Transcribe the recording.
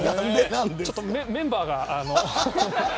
ちょっと、メンバーが。